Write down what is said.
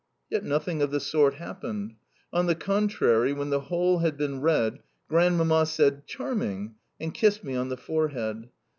Yet nothing of the sort happened. On the contrary, when the whole had been read, Grandmamma said, "Charming!" and kissed me on the forehead.